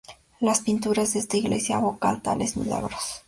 Las pinturas de esta iglesia evocar tales milagros.